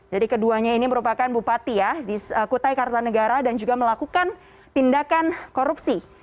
jadi keduanya ini merupakan bupati ya di kutai kartanegara dan juga melakukan tindakan korupsi